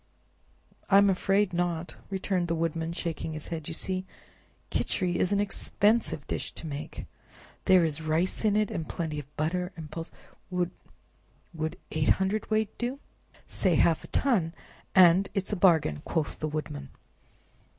"I'm afraid not," returned the Woodman, shaking his head; "you see Khichri is an expensive dish to make—there is rice in it, and plenty of butter, and pulse, and—" "Would—would eight hundredweight do?" "Say half a ton, and it's a bargain!" quoth the Woodman.